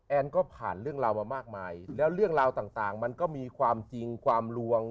แอนก็ผ่านเรื่องราวมามากมายแล้วเรื่องราวต่างมันก็มีความจริงความลวง